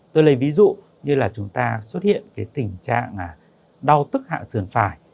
tôi lấy ví dụ như là chúng ta xuất hiện cái tình trạng đau tức hạ sườn phải